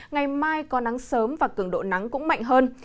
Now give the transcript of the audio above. ngày mai có nắng sớm và cường độ nắng cũng mạnh hơn